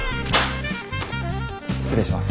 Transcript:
失礼します。